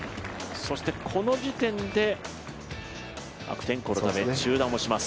そしてこの時点で悪天候のため中断をします。